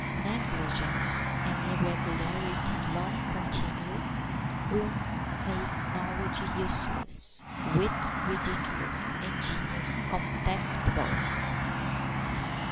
Negligence and irregularity long continued will make knowledge useless, wit ridiculous, and genius contemptible.